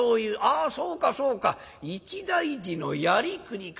あそうかそうか一大事のやりくりか。